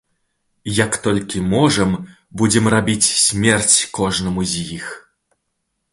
Як толькі можам, будзем рабіць смерць кожнаму з іх.